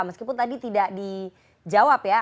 meskipun tadi tidak dijawab ya